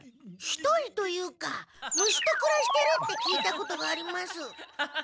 １人というか虫とくらしてるって聞いたことがあります。